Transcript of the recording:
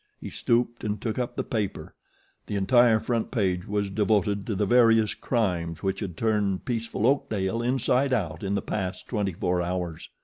He stooped and took up the paper. The entire front page was devoted to the various crimes which had turned peaceful Oakdale inside out in the past twenty four hours.